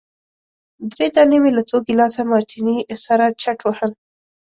درې دانې مي له څو ګیلاسه مارټیني سره چټ وهل.